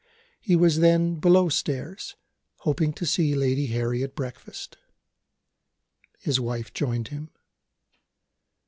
He was then below stairs, hoping to see Lady Harry at breakfast. His wife joined him.